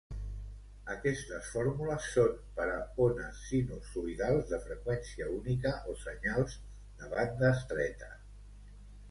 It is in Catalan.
Aquestes fórmules són per a ones sinusoïdals de freqüència única o senyals de banda estreta.